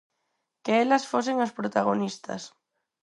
Que elas fosen as protagonistas.